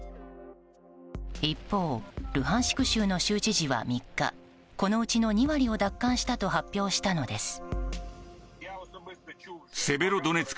一方、ルハンシク州の州知事は３日このうちの２割を奪還したと発表したのです。